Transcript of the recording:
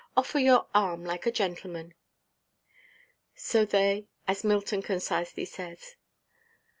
Offer your arm like a gentleman." So they—as Milton concisely says.